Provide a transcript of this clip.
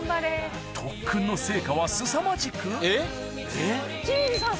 特訓の成果はすさまじく清水さん